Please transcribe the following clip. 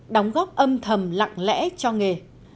đóng góp âm thầm lặng lẽ cho nghề